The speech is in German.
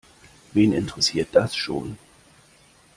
Wen interessiert das schon?